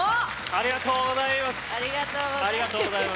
ありがとうございます。